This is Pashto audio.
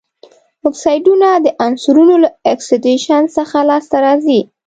اکسایډونه د عنصرونو له اکسیدیشن څخه لاسته راځي.